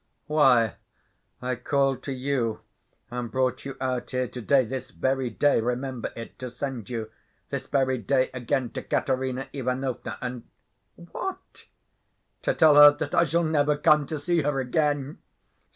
"Why, I called to you and brought you out here to‐day, this very day—remember it—to send you—this very day again—to Katerina Ivanovna, and—" "What?" "To tell her that I shall never come to see her again.